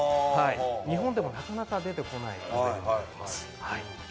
日本でもなかなか出てこないモデルとなっています。